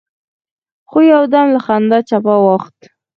خو يودم له خندا چپه واوښت.